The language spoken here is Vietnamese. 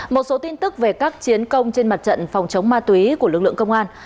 một số tin tức về các chiến công trên mặt trận phòng chống ma túy của lực lượng công an